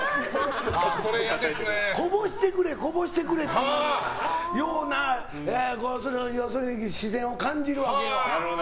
こぼしてくれ、こぼしてくれっていうような視線を感じるわけよ。